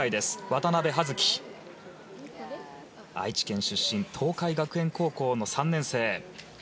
渡部葉月、愛知県出身東海学園高校の３年生。